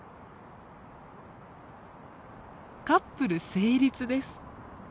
カップル成立です。